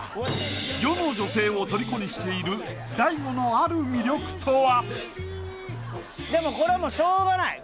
世の女性をトリコにしている大悟のある魅力とは？